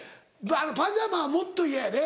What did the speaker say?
パジャマはもっと嫌やで。